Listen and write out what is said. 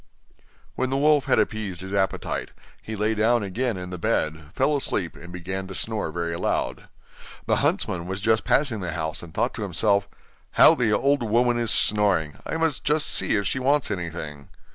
When the wolf had appeased his appetite, he lay down again in the bed, fell asleep and began to snore very loud. The huntsman was just passing the house, and thought to himself: 'How the old woman is snoring! I must just see if she wants anything.